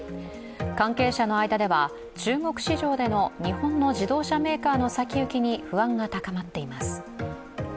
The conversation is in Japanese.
関係者の間では、中国市場での日本の自動車メーカーの先行きに不安が高まっています。